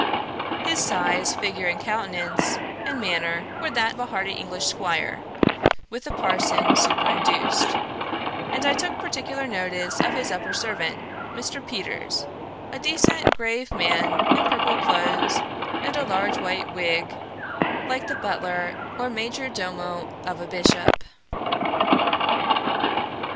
His size, and figure, and countenance, and manner, were that of a hearty English 'Squire, with the parson super induced: and I took particular notice of his upper servant, Mr. Peters, a decent grave man, in purple clothes, and a large white wig, like the butler or major domo of a Bishop.